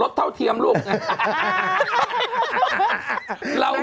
แป้งที่ได้